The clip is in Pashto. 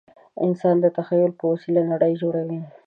انسان د تخیل په وسیله نړۍ جوړوي.